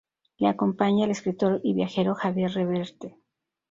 Le acompaña el escritor y viajero Javier Reverte.